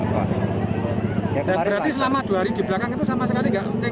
berarti selama dua hari di belakang itu sama sekali tidak